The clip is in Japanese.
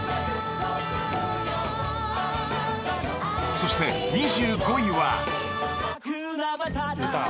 ［そして２５位は］